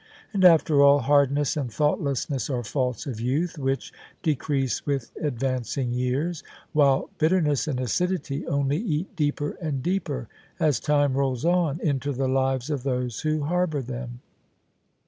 And, after all, hardness and thoughtlessness are faults of youth, which de crease with advancing years: while bitterness and acidity only eat deeper and deeper as time rolls on into the lives of those who harbour them.